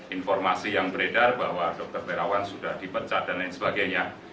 informasi yang beredar bahwa dokter perawan sudah dipecat dan lain sebagainya